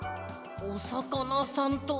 おさかなさんと。